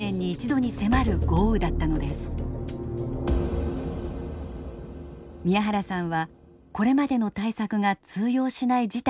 宮原さんはこれまでの対策が通用しない事態に直面します。